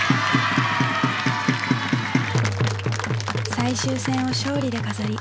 最終戦を勝利で飾り